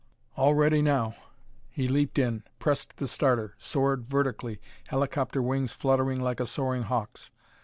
All ready now! He leaped in, pressed the starter, soared vertically, helicopter wings fluttering like a soaring hawk's.